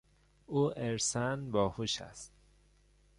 او ارثا باهوش است.